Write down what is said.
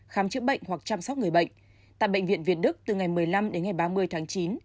khám chữa bệnh hoặc chăm sóc người bệnh tại bệnh viện việt đức từ ngày một mươi năm đến ngày ba mươi tháng chín